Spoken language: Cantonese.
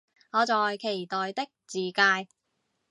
我在期待的自介